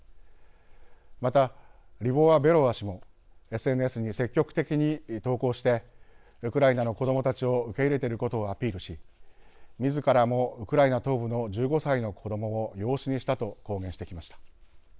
またリボワベロワ氏もＳＮＳに積極的に投稿してウクライナの子どもたちを受け入れてることをアピールしみずからもウクライナ東部の１５歳の子どもを養子にしたと公言してきました。